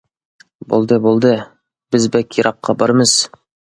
-بولدى، بولدى، بىز بەك يىراققا بارىمىز.